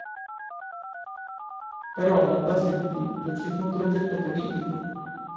Però alla base di tutto ci fu un progetto politico.